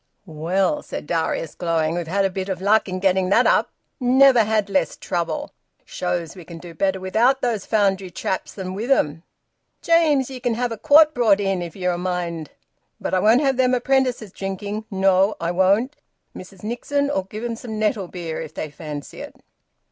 "Well," said Darius, glowing, "we've had a bit o' luck in getting that up! Never had less trouble! Shows we can do better without those Foundry chaps than with 'em! James, ye can have a quart brought in, if ye'n a mind, but I won't have them apprentices drinking! No, I won't! Mrs Nixon'll give 'em some nettle beer if they fancy it."